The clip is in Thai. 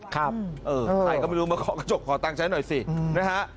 ใครก็ไม่รู้มาเคาะกระจกขอตังค์ใช้หน่อยสินะฮะ